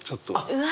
うわ。